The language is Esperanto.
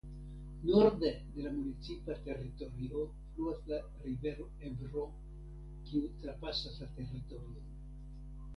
Norde de la municipa teritorio fluas la rivero Ebro kiu trapasas la teritorion.